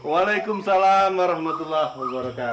waalaikumsalam warahmatullahi wabarakatuh